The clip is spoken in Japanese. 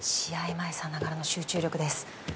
前さながらの集中力です。